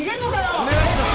⁉お願いします！